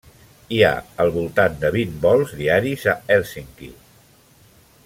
Hi ha al voltant de vint vols diaris a Hèlsinki.